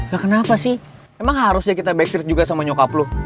gak kenapa sih emang harusnya kita backstreet juga sama nyokap lo